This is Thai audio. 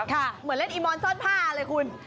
เหมือนเล่นอีมอนซ่อนผ้าเลยคุณ